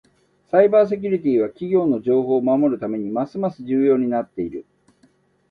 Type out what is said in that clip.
サイバーセキュリティは企業の情報を守るためにますます重要になっている。